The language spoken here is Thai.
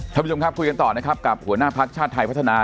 ท่านผู้ชมครับคุยกันต่อนะครับกับหัวหน้าภักดิ์ชาติไทยพัฒนา